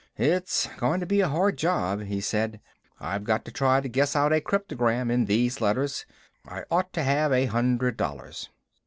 "It's going to be a hard job," he said. "I've got to try to guess out a cryptogram in these letters. I ought to have a hundred dollars."